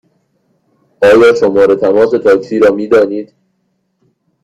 آیا شماره تماس تاکسی را می دانید؟